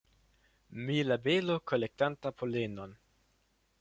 Mielabelo kolektanta polenon.